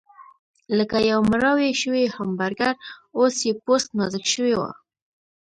لکه یو مړاوی شوی همبرګر، اوس یې پوست نازک شوی و.